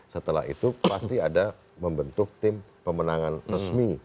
setelah itu pasti ada membentuk tim pemenangan resmi